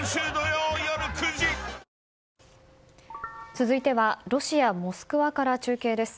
続いてはロシア・モスクワから中継です。